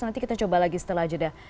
nanti kita coba lagi setelah jeda